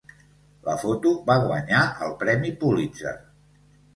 La foto va guanyar el premi Pulitzer.